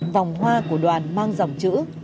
vòng hoa của đoàn mang dòng chữ